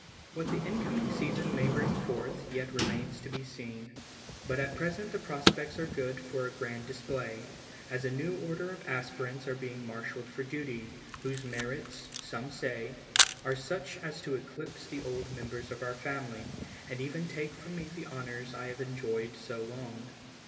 What the incoming season may bring forth, yet remains to be seen, but at present the prospects are good for a grand display, as a new order of aspirants are being marshaled for duty, whose merits, some say, are such as to eclipse the old members of our family, and even take from me the honors I have enjoyed so long.